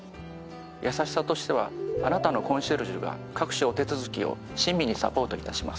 やさしさとしては「あなたのコンシェルジュ」が各種お手続きを親身にサポート致します。